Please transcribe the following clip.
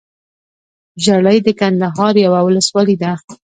ژړۍ دکندهار يٶه ولسوالې ده